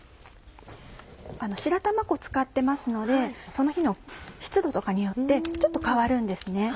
白玉粉使ってますのでその日の湿度とかによってちょっと変わるんですね。